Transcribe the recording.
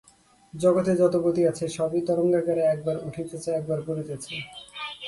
জগতে যত গতি আছে, সবই তরঙ্গাকারে একবার উঠিতেছে, একবার পড়িতেছে।